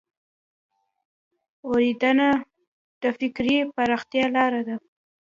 اورېدنه د فکري پراختیا لار ده